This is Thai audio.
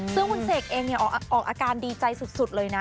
ซึ่งคุณเสกเองออกอาการดีใจสุดเลยนะ